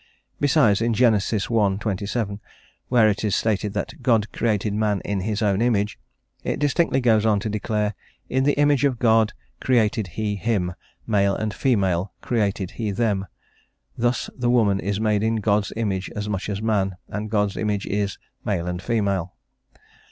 Besides, in Genesis i. 27, where it is stated that "God created man in his own image," it distinctly goes on to declare: "in the image of God created he him; male and female created he them. Thus the woman is made in God's image as much as the man, and God's image is "male and female."